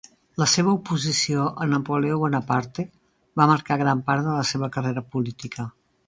La seva oposició a Napoleó Bonaparte va marcar gran part de la seva carrera política.